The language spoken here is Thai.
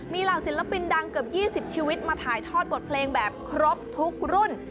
มีเหล่าศิลปินดังเกือบ๒๐ชีวิตมาถ่ายทอดบทเพลงแบบครบทุกรุ่น